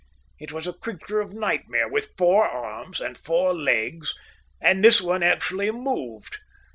It was a creature of nightmare, with four arms and four legs, and this one actually moved.